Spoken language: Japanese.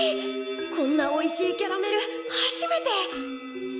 こんなおいしいキャラメル初めて！